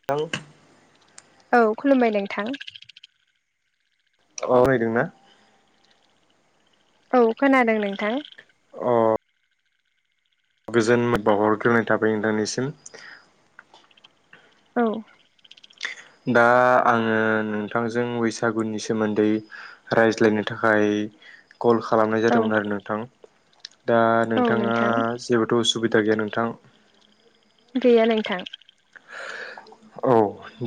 [unintelligible] औ खुलुमबाय नोंथां। औवरायदों ना? औ खोनादों नोंथां। अ गोजोन बावहरग्रोनाय थाबाय नोंथांनिसिम औ दा आंङो नोंथांजों बैसागुनि सोमोन्दै रायज्लायनो थाखाय कल खालामनाय औ जादोंमोन आरो नोंथां दा औ नोंथांङा नोंथां जेबोथ' उसुबिदा गैया नोंथां। गैया नोंथां। औ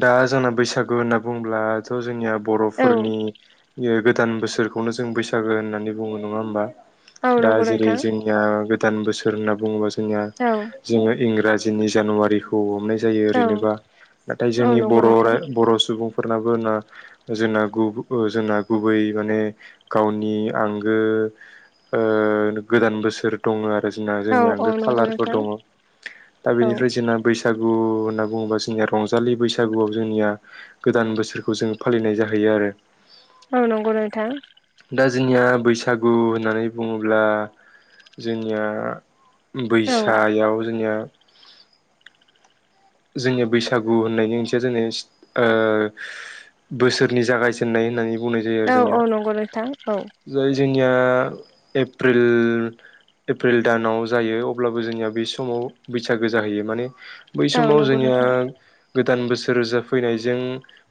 दा जोंना बैसागु होनना बुंब्ला स' जोंनिया औ बर'फोरनि यो गोदान बोसोरखौनो जों बैसागो होननानै बुंङो नंङा होमबा? औ दा नंगौ जेरै नोंथां जों निया गोदान बोसोर होनना बुंङोबा जोंनिया औ जोंङो इंराजिनि जानुवारिखौ हमनाय जायो औ ओरैनोबा नाथाय औ जोंनि नंगौ बर' रो नोंथां बर' सुबुंफोरनाबो ना जोंना गुब जोंना गुबै माने गावनि आंगो ओ गोदान बोसोर दंङ आरो जोंना औ जोंनि औ आंगो नंगौ खालारफोर नोंथां दंङ दा औ बेनिफ्राय जोंना बैसाग गु होनना बुंङोबा जोंनिया रंजालि बैसागुआव जोंनिया गोदान बोसोरखौ जोंङो फालिनाय जाहैयो आरो। औ नंगौ नोंथां। दा जोंनिया बैसागु होननानै बुंङोब्ला जोंनिया औ बैसायाव जोंनिया जोंनिया बैसागु होननायनि ओंथिया जोंनिया सिथ ओ बोसोरनि जागायजेननाय होननानै बुंनाय जायो आरो औ औ जोंनिया नंगौ नोंथां औ जाय जोंनिया एप्रिल एप्रिल दानाव जायो अब्लाबो जोंनिया बे समाव बैसागो जाहैयो माने बै औ समाव नंगौ जोंनिया नोंथां गोदान बोसोर जाफैनायजों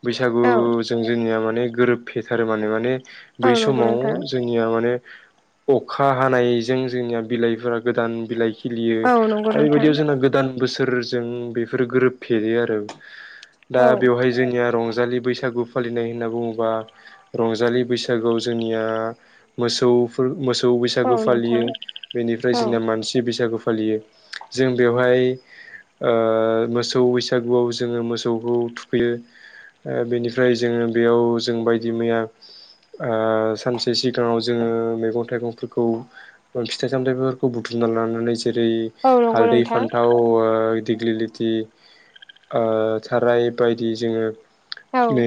बैसागु औ जों जोंनिया माने गोरोबफेथारो माने माने औ बै नंगौ समाव नोंथां जों निया माने अखा हानायजों जोंनिया बिलाइफोरा गोदान बिलाइ खिलियो औ नंगौ आरो नोंथां बेबायदियाव जोंना गोदान बोसोरजों बेफोर गोरोबफेयो आरो दा औ बेवहाय जोंनिया रं रजालि बैसागु फालिनाय होनना बुङोबा रंजालि बैसागोआव जोंनिया मोसौ मोसौ औ बैसागु नोंथां फालियो बेनिफ्राय औ जोंना मानसि बैसागु फालियो जों बेवहाय ओ ओ मोसौ बैसागुआव जोङो मोसौखौ थुखैयो ओ बेनिफ्राय जोङो बेयाव जों बायदि मैया ओ सानसे सिगाङाव जोङो मैगं थाइगंफोरखौ फिथाइ सामथाइफोरखौ बुथुमना लानानै जेरै औ नंगौ हालदै नोंथां फान्थाव ओ दिग्लिलि दि ओ साराइ बायदि जोङो औ मे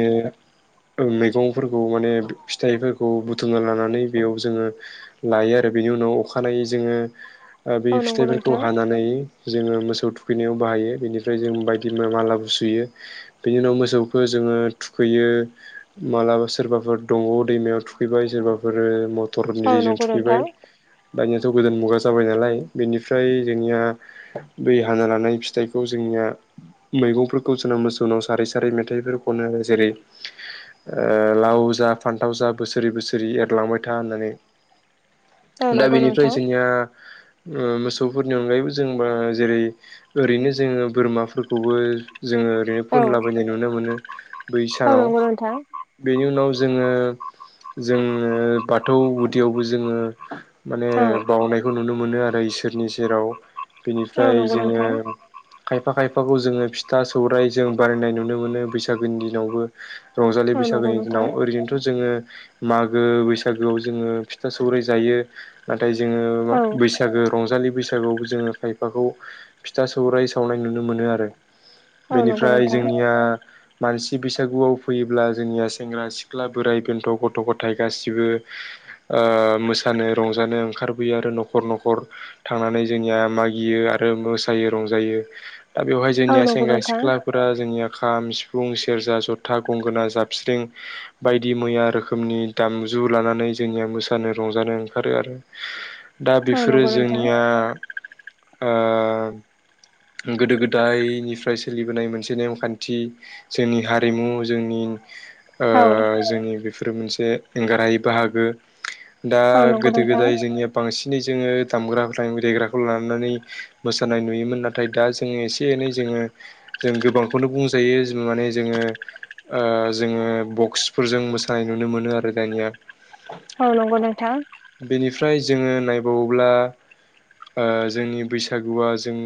ओ मैगंफोरखौ माने फिथाइफोरखौ बुथुमना लानानै बेयाव जोङो लायो आरो बेनि उनाव अखानायै जोङो ओ बे औ नंगौ फिथाइफोरखौ नोंथां हानानै जोङो मोसौ थुखैनायाव बाहायो। बेनिफ्राय जों बायदि मालाबो सुयो बेनि उनाव मोसौखौ जोङो थुखैयो। मालाबा सोरबाफोर दंग' दैमायाव थुखैबाय सोरबाफोर मट टरनि औ दैजों नंगौ थुखैबाय। नोंथां दानियाथ गोदान मुगा जाबाय नालाय बेनिफ्राय जोंनिया बै हाना लानाय फिथाइ खौ जोंनिया मैगंफोरखौ जोंना मोसौनाव सारै सारै मेथाइफोर खनो जेरै ओ लाव जा फान्थाव जा बोसोरे बोसोरे एरलांबाय था होननानै औ दा नंगौ बेनिफ्राय नोंथां जोंनिया ओ मोसौफोरनि अनगायैबो जों बा जेरै ओरैनो जोङो बोरमाफोरखौबो जोङो ओरैनो औ फोनलाबायनाय नुनो मोनो बै औ सानाव। नंगौ नोंथां बेनि उनाव जोङो जोङो बाथौ गुदियावबो जोङो माने औ बावनायखौ नुनो मोनो आरो इसोरनि सेराव औ बिनिफ्राय नंगौ जोङो नोंथां खायफा खायफाखौ जोङो फिथा सौराइ जों बानायनाय नुनो मोनो बैसागोनि दिनावबो। रंजालि औ नंगौ बैसागोनि दिनाव नोंथां ओरैनोथ' जोङो मागो बैसागोआव जोङो फिथा सौराइ जायो। नाथाय जोङो औ बैसागो रंजालि बैसागोआव जोङो खायफाखौ फिथा सौराइ सावनाय नुनो मोनो आरो औ नंगौ बेनिफ्राय नोंथां जोंनिया मानसि बैसागुआव फैयोब्ला जोंनिया सेंग्रा सिख्ला बोराइ बेन्थ' गथ' गथाय गासिबो ओ मोसानो रंजानो ओंखारबोयो आरो न'खर न'खर थांनानै जोंनिया मागियो आरो मोसायो रंजायो। दा बेवहाय औ जोंनिया नंगौ सेंग्रा नोंथां सिख्ला फोरा जोंनिया खाम, सिफुं, सेरजा, जथा, गंगोना जाबस्रिं बायदि मैया रोखोमनि दामजु लानानै जोंनिया मोसानो रंजानो ओंखारो आरो। दा औ बेफोरो नंगौ नोंथां जोंनिया ओ गोदो गोदायनिफ्राय सोलिबोनाय मोनसे नेमखान्थि। जोंनि हारिमु जोंनि ओ औ जोंनि बेफोरो मोनसे एंगारहायै बाहागो। दा औ नंगौ गोदो नोंथां गोदाय जोंनिया बांसिनै जोङो दामग्रा देग्राखौ लानानै मोसानाय नुयोमोन नाथ थाय दा जोङो एसे एनै जोङो जों गोबांखौनो बुंजायो माने जोङो ओ जोङो बक्सफोरजों मोसानाय नुनो मोनो आरो दानिया। औ नंगौ नोंथां। बेनिफ्राय जोङो नायबावोब्ला ओ जोंनि बैसागुआ जों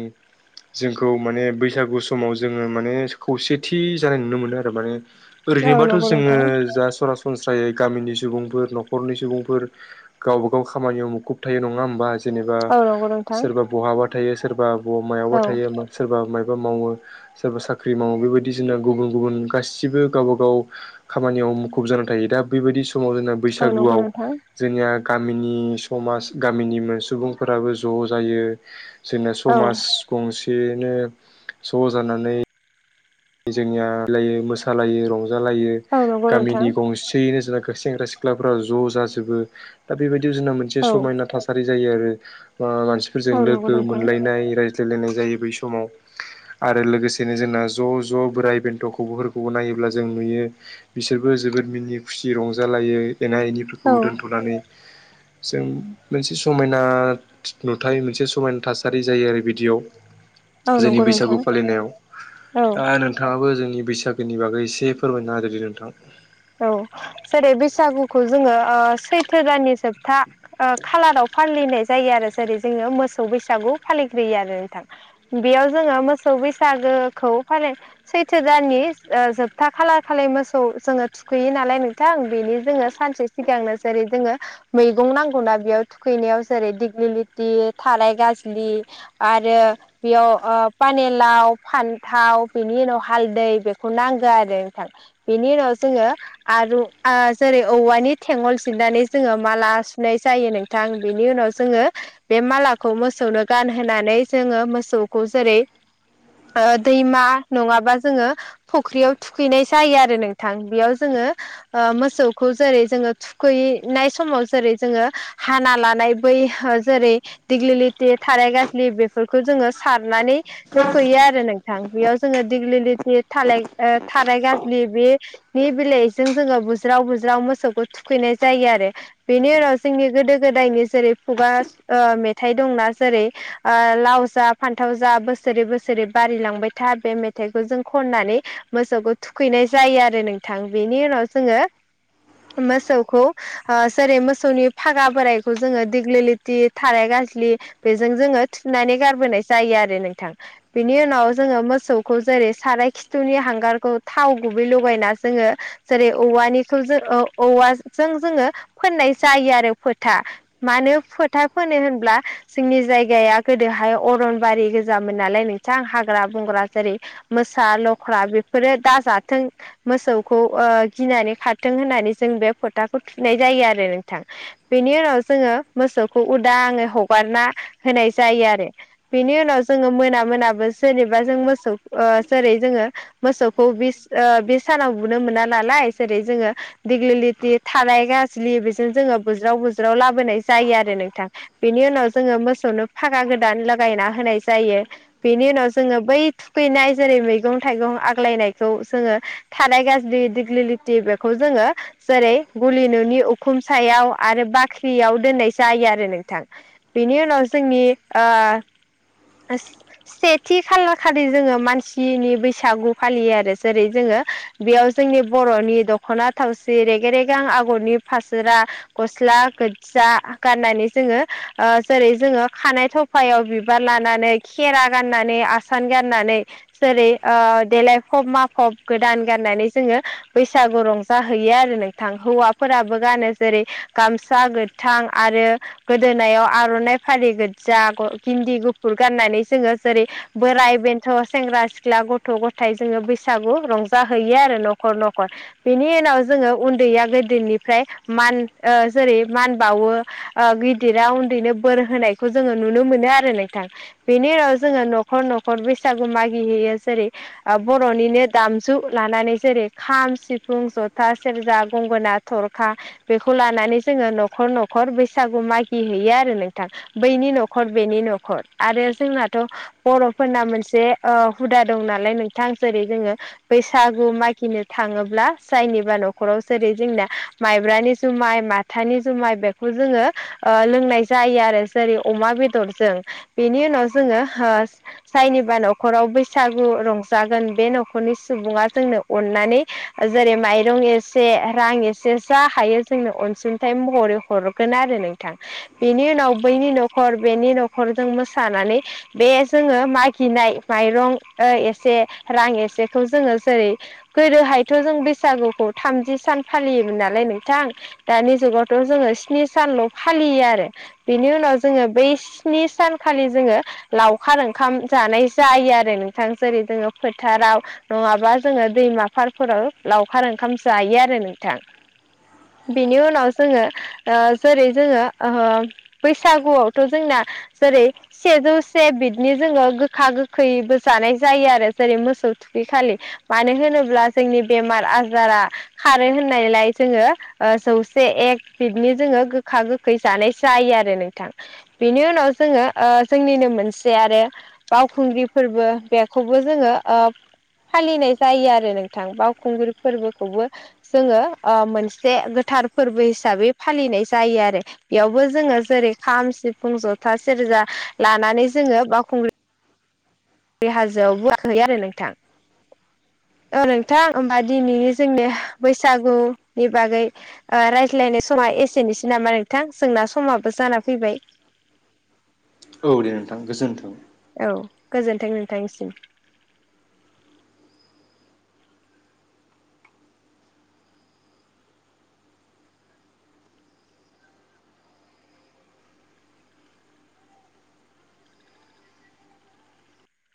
जोंखौ माने बैसागु समाव जोंङो माने खौसेथि जानाय नुनो मोनो आरो माने औ ओरैनोबाथ' नंगौ जोंङो नोंथां जा सरासनस्रायै गामिनि सुबुंफोर न'खरनि सुबुंफोर गावबागाव खामानियाव मुखुब थायो नंङा होमबा जेनेबा औ नंगौ नोंथां सोरबा बहाबा थायो सोरबा ब मायावबा औ थायो सोरबा मायबा मावो सोरबा साख्रि मावो बेबायदि जोंना गुबुन गुबुन गासिबो गावबागाव खामानियाव मुखुब जानानै थायो दा बेबायदि समाव जोंना औ नंगौ बैसागुआव नोंथां जोंनिया गामिनि समाज गामिनि सुबुंफोराबो ज' जायो जोंना औ समाज गंसेयैनो ज' जानानै जोंनिया [unintelligible] मोसालायो रंजालायो औ नंगौ नोंथां गामिनि गंसेयैनो जोंना सेंग्रा सिख सिख्लाफोरा ज' जाजोबो दा बेबायदि जोंना मोनसे औ नंगौ नोंथां औ समायना थासारि जायो आरो ओ मानसि फोरजों औ लोगो मोनलायनाय रायज्लायलायनाय जायो बै समाव आरो लोगोसेनो जोंना ज' ज' बोराइ बेन्थ'खौबो फोरखौबो नायोब्ला जों नुयो बिसोरबो जोबोद मिनि खुसि रंजालायो एना एनिफोरखौ दोनथ'नानै जों मोनसे समायना नुथाय मोनसे समायना थासारि जायो आरो बिदियाव जोंनि नंगौ नोंथां बैसागु फालिनायाव औ दा नोंथाङाबो जोंनि बैसागोनि बागै एसे फोरमायना होदोदे नोंथां औ जेरै बैसागुखौ जोंङो ओह सैथो दाननि जोबथा ओह खालाराव फालिनाय जायो आरो जेरै जोङो मोसौ बैसागु फालिग्रोयो आरो नोंथां बेयाव जोङो मोसौ बैसागोखौ फालि सैथो दाननि जोबथा खालार खालि मोसौ जोंङो थुखैयो नालाय नोंथां बेनि जोंङो सानसे सिगांनो जेरै जोंङो मैगं नांगौनाा बेयाव थुखैनायाव जेरै दिग्लि लिथि थाराय गाज्लि आरो बेयाव पानिलाव फान्थाव बिनि उनाव हालदै बेखौ नांगो आरो नोंथां बिनि उनाव जोंङो आरो जेरै औवानि थेंगल जिरनानै जोंङो माला सुनाय जायो नों थां बिनि उनाव जोंङो बे मालाखौ मोसौनो गानहोनानै जोंङो मोसौखौ जेरै दैमा नङाबा जोंङो फख्रियाव थुखैनाय जायो आरो नों थान बेयाव जोङो मोसौखौ जेरै जोंङो थुखैैनाय समाव जेरै जोङो हाना लानाय बै जेरै दिग्लि लिथि थाराय गाज्लि बेफोरखौ जोङो सारनानै थुखैयो आरो नोंथां बेयाव जोङो दिग्लि लिथि थालाय थाराय गाज्लि बे नि बेलइजों जोंङो बुज्राव बुज्राव मोसौखौ थुखैनाय जायो आरो बेनि उनाव जोंनि गोदो गोदायनि जेरै खुगा मेथाइ दंना जेरै ओह लाव जा फान्थाव जा बोसोरै बोसोरै बारिलांबाय था बे मेथाइखौ जों खननानै मोसौखौ थुखैनाय जायो आरो नोंथां बेनि उनाव जोंङो मोसौखौ जेरै मोसौनि फागा बोराइखौ जोङो दिग्लिथि थाराय गाज्लि बेजों जोङो थुनानै गारबोनाय जायो आरो नोंथां बिनि उनाव जोंङो मोसौखौ जेरै साराय खिथुनि हांगारखौ थाव गुबैलु लगायना जोंङो जेरै औवानिखौ जो ओह औवाजों जोंङो फोननाय जायो आरो फोथा मानो फोथा फोनो होनब्ला जोंनि जायगाया गोदोहाय अरनबारि गोजामोन नालाय नों थां हाग्रा बंग्रा जेरै मोसा लख्रा बेफोरो दाजाथों मोसौखौ ओ गिनानै खारथों होननानै जों बे फोथाखौ थुनाय जायो आरो नोंथां बेनि उनाव जोङो मोसौखौ उदाङै हगारना होनाय जायो आरो बिनि उनाव जोङो मोना मोनाबो जेनेबा जों मोसौ ओ जेरै जोङो मोसौखौ बि ओ बे सानाव बुनो मोना नालाय जेरै जोङो दिग्लिलिथि थाराइ गाज्लि बेजों जोङो बुज्राव बुज्राव लाबोनाय जायो आरो नोंथां। बेनि उनाव जोङो मोसौनो फागा गोदान लागायना होनाय जायो। बेनि उनाव जोङो बै थुखैनाय जेरै मैगं थाइगं आग्लायनायखौ जोङो थाराइ गाज्लि दिग्लिलिथि बेखौ जोङो जेरै गलि न'नि उखुम सायाव आरो बाख्रियाव दोननाय जायो आरो नोंथां। बेनि उनाव जोंनि ओ सेथि खालार खालि जोङो मानसिनि बैसागु फालियो आरो जेरै जोङो बेयाव जोंनि बर'नि दख'ना थावसि रेगे रेगां आगरनि फासोरा गस्ला गोजा गाननानै जोङो ओ जेरै जोङो खानाय थाव फायाव बिबार लानानै खेरा गाननानै आसान गाननानै जेरै देलायफ'ब माफ'ब गोदान गाननानै जोङो बैसागु रंजाहैयो आरो नोंथां हौवाफोराबो गानो जेरै गामसा गोथां आरो गोदोनायाव आर'नाइ फालि गोजा ग गिन्दि गुफुर गाननानै जोङो जेरै बोराय बेन्थ, ' सेंग्रा सिख्ला, गथ' गथाय जोङो बैसागु रंजाहैयो आरो न'खर न'खर। बेनि उनाव जोङो उन्दैया गेदेरनिफ्राय मान ओ जेरै मान बावो ओ गिदिरा उन्दैनो बोर होनायखौ जोङो नुनो मोनो आरो नोंथां। बेनि उनाव जोङो न'खर न'खर बैसागु मागिहैयो जेरै बर'निनो दामजु लानानै जेरै खाम, सिफुं, जथा, सेरजा, गंगोना, थरखा बेखौ लानानै जोङो न'खर न'खर बैसागु मागिहैैयो आरो नोंथां। बैनि न'खर बेनि न'खर आरो जोंनाथ' बर'फोरना मोनसे ओ हुदा दं नालाय नोंथां जेरै जोङो बैसागु मागिनो थाङोब्ला जायनिबा न'खराव जेरै जोंना माइब्रानि जुमाय मा थानि जुमाय बेखौ जोङो ओ लोंनाय जायो आरो जेरै अमा बेदरजों। बेनि उनाव जोङो हो जायनिबा न'खराव बैसागु रंजागोन बे न'ख रनि सुबुङा जोंनो अननानै जेरै माइरं एसे रां एसे जा हायो जोंनो अनसुंथाइ महरै हरगोन आरो नोंथां। बेनि उनाव बैनि न'खर बेनि न'खर जों मोसानानै बे जोङो मागिनाय माइरं ओ एसे रां एसेखौ जोङो जेरै गोदोहायथ' जों बैसागुखौ थामजि सान फालियोमोन नालाय नोंथां दानि जुगावथ' जोङो स्नि सानल' फालियो आरो। बिनि उनाव जोङो बै स्नि सानखालि जोङो लावखार ओंखाम जानाय जायो आरो नोंथां जेरै जोङो फोथाराव नङाब्ला जोङो दैमा फारफोराव लावखार ओंखाम जायो आरो नोंथां। बिनि उनाव जोङो ओ जेरै जोङो ओ बैसागुआवथ' जोंना जेरै सेजौ से बिटनि जोङो गोखा गोखैबो जानाय जायो आरो जेरै मोसौ थु खै खालि मानो होनोब्ला जोंनि बेमार आजारा खारो होननायलाय जोङो जौसे एक बिटनि जोङो गोखा गोखै जानाय जायो आरो नोंथां। बेनि उनाव जोङो ओ जोंनिनो मोनसे आरो बावखुंग्रि फोरबो बेखौबो जोङो ओ फालिनाय जायो आरो नोंथां बावखुंग्रि फोरबोखौबो जोङो ओ मोनसे गोथार फोर्बो हिसाबै फालिनाय जायो आरो। एयावबो जोङो जेरै खाम, सिफुं, जथा, सेरजा लानानै जोङो बावखुंग्रि ग्रि हाजोआवबो गाखोयो आरो नोंथां। ओ नोंथां ओमबा दिनिनि जोंनि ह बैसागु नि बागै ओ रायज्लायनाय समा एसेनोसै नामा नोंथां जोंना समाबो जाना फैबाय। औ दे नोंथां गोजोनथों। औ गोजोनथों नोंथांनिसिम।